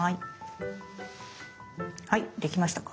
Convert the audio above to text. はいできましたか？